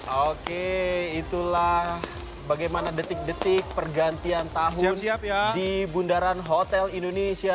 oke itulah bagaimana detik detik pergantian tahun di bundaran hotel indonesia